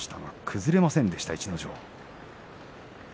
崩れませんでした、逸ノ城。